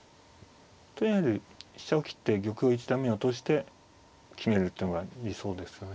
とりあえず飛車を切って玉を一段目に落として決めるっていうのが理想ですね。